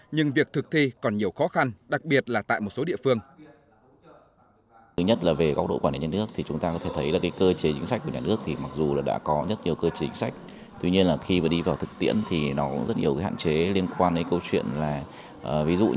nhưng việc thực thi còn nhiều khó khăn đặc biệt là tại một số địa phương